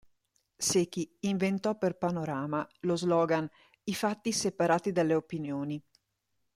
Sechi inventò per "Panorama" lo slogan "I fatti separati dalle opinioni".